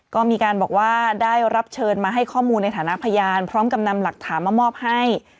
ก็มีการบอกว่าได้รับเชิญมาให้ข้อมูลในฐานะพยานพร้อมกับนำหลักฐานมามอบให้